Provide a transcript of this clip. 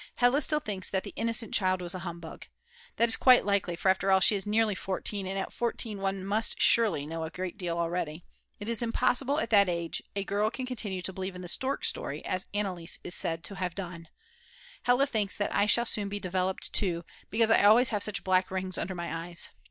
Hella still thinks that the "innocent child" was a humbug. That is quite likely, for after all she is nearly fourteen; and at 14 one must surely know a great deal already; it's impossible that at that age a girl can continue to believe in the stork story, as Anneliese is said!!! to have done. Hella thinks that I shall soon be "developed" too, because I always have such black rings under my eyes.